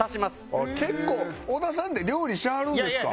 あっ結構小田さんって料理しはるんですか？